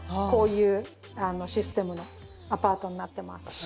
こういうシステムのアパートになってます。